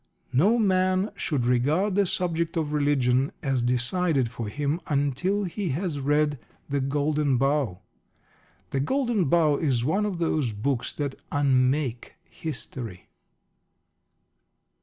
No man should regard the subject of religion as decided for him until he has read The Golden Bough. The Golden Bough is one of those books that unmake history.